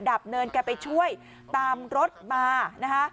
ับเนินแกไปช่วยตามรถมานะคะ